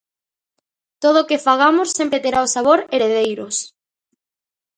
Todo o que fagamos sempre terá o sabor Heredeiros.